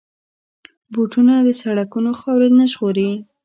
بوټونه د سړکونو خاورې نه ژغوري.